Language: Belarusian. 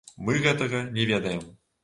Мы гэтага не ведаем.